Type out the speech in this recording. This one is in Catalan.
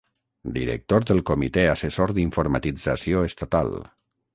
Director del Comitè Assessor d'Informatització Estatal.